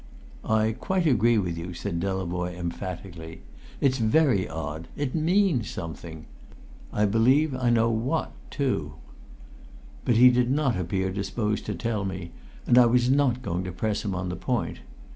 "I quite agree with you," said Delavoye emphatically. "It's very odd. It means something. I believe I know what, too!" But he did not appear disposed to tell me, and I was not going to press him on the point.